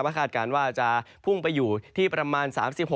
เมื่อถ้าคาดการณ์ว่าจะพุ่งไปอยู่ที่ประมาณ